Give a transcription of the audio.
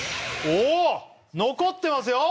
おおっ残ってますよ